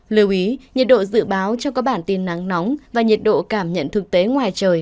lưu ý nhiệt độ dự báo cho các bản tin nắng nóng và nhiệt độ cảm nhận thực tế ngoài trời